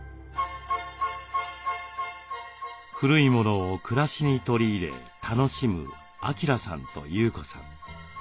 古いものを暮らしに取り入れ楽しむ晃さんと優子さん。